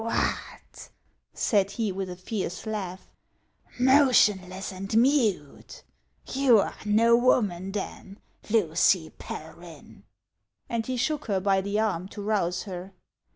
" What !" said he, with a fierce laugh, " motionless and mute. You are no woman, then, Lucy Pelryhn!" and he shook her by the arm to rouse her.